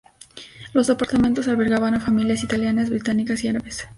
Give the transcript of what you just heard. Los apartamentos albergaban a familias italianas, británicas y árabes.